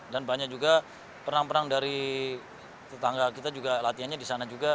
dan banyak juga perenang perenang dari tetangga kita juga latihannya di sana juga